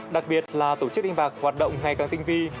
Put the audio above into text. đặc biệt là tổ chức đánh bạc hoạt động ngày càng tinh vi